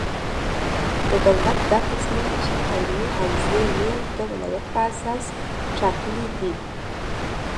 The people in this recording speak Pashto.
د دولت دا تصمیم چې تعلیمي حوزې یې د ولایت په اساس ټاکلې دي،